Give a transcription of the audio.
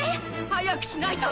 早くしないと！